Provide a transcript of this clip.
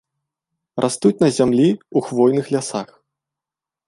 Растуць на зямлі ў хвойных лясах.